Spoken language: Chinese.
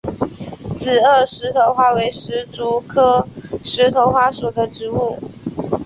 紫萼石头花为石竹科石头花属的植物。